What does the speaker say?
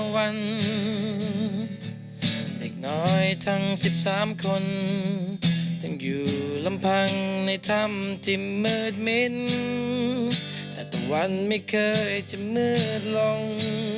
วันไม่เคยจะเมื่อระดิษฐ์ลง